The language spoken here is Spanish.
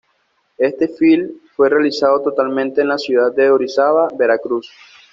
Este filme fue realizado totalmente en la ciudad de Orizaba, Veracruz.